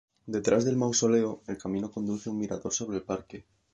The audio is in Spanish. Detrás del mausoleo, el camino conduce a un mirador sobre el parque.